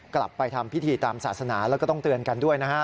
กลับไปทำพิธีตามศาสนาแล้วก็ต้องเตือนกันด้วยนะฮะ